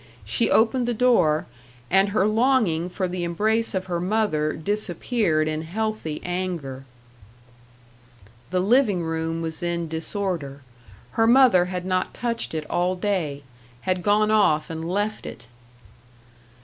She opened the door, and her longing for the embrace of her mother disappeared in healthy anger. The living room was in disorder. Her mother had not touched it all day had gone off and left it.